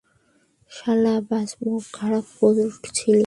শালা ব্যস মুখ খারাপ করছিল।